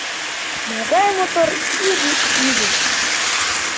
— Могай мотор изи ӱдыр!